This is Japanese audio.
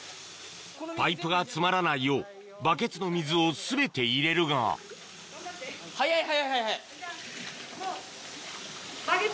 パイプが詰まらないようバケツの水を全て入れるが頑張って。